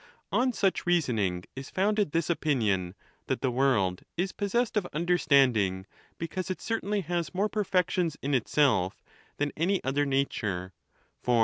On such reasoning is founded this opinion, that the world is possessed of understanding, because it certainly has more perfections in itself than any other nature; for THE NATURE OF THE GODS.